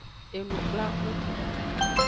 Enukplaxu.